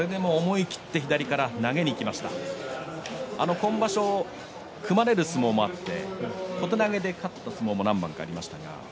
今場所組まれる相撲もあって小手投げで勝った相撲も何番かありました。